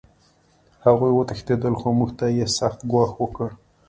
هغوی وتښتېدل خو موږ ته یې سخت ګواښ وکړ